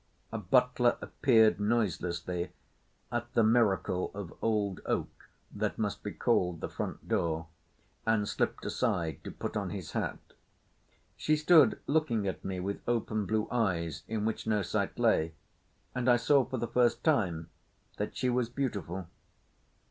A butler appeared noiselessly at the miracle of old oak that must be called the front door, and slipped aside to put on his hat. She stood looking at me with open blue eyes in which no sight lay, and I saw for the first time that she was beautiful.